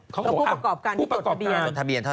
แล้วผู้ประกอบการที่ตกทะเบียน